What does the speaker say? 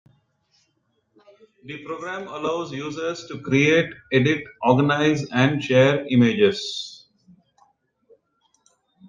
The program allows users to create, edit, organize and share images.